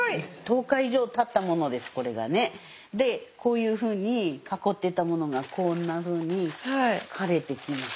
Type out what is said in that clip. でこういうふうに囲ってたものがこんなふうに枯れてきます。